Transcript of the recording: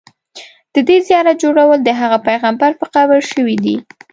د دې زیارت جوړول د هغه پیغمبر په قبر شوي دي.